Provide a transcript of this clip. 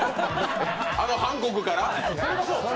あのハンコクから？